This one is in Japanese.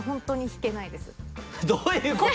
どういうこと？